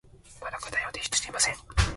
まだ課題を提出していません。